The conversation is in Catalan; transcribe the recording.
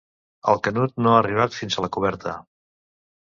El Canut no ha arribat fins a la coberta.